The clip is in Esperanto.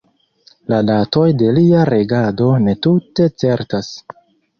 La datoj de lia regado ne tute certas.